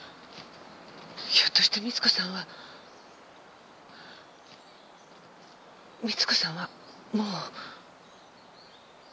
ひょっとして美津子さんは。美津子さんはもう。